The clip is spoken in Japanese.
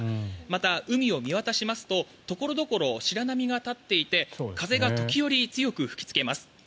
また、海を見渡しますと所々白波が立っていて風が時折、強く吹きつけます。